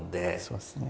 そうですね。